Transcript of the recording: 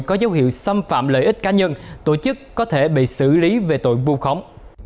có dấu hiệu xâm phạm lợi ích cá nhân tổ chức có thể bị xử lý về tội buôn khống